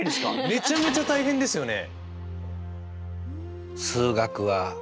めちゃめちゃ大変ですよね！